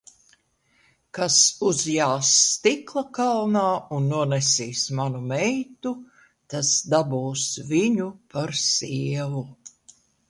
Kas uzjās stikla kalnā un nonesīs manu meitu, tas dabūs viņu par sievu.